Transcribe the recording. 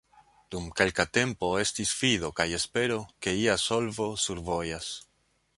Dum kelka tempo estis fido kaj espero, ke ia solvo survojas.